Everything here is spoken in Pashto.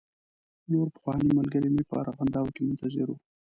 نور پخواني ملګري مې په ارغنداو کې منتظر و.